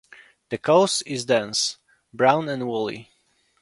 The coat is dense, brown and woolly.